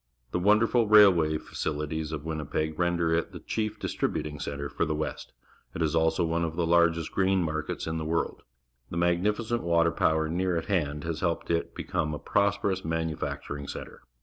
The wonderful railway fa cihties of Winnipeg render it the chief dis tributing centre for the West. It is also one of the large st g rain niarkets^in the world. The magnificent water power near at hand has helped it to become a prosperous manu facturing centre.